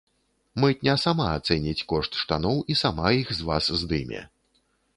Мытня сама ацэніць кошт штаноў і сама іх з вас здыме.